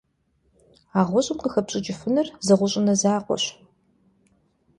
А гъущӀым къыхэпщӀыкӀыфынур зы гъущӀ Ӏунэ закъуэщ.